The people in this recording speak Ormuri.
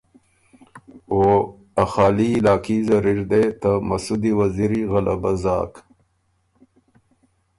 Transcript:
او ا خالی علاقي زر اِر دې ته مسُودی وزیری غلبه زاک۔